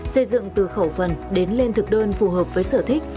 xây dựng từ khẩu phần đến lên thực đơn phù hợp với sở thích